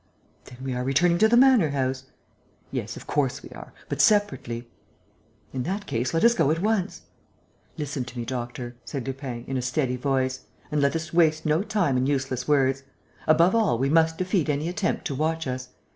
"Then we are returning to the manor house?" "Yes, of course we are, but separately." "In that case, let us go at once." "Listen to me, doctor," said Lupin, in a steady voice, "and let us waste no time in useless words. Above all, we must defeat any attempt to watch us.